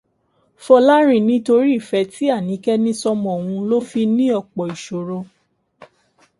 Fọlárìn ní torí ìfẹ́ tí Àníkẹ́ ní sọ́mọ òun ló fi ní ọ̀pọ̀ ìṣòro.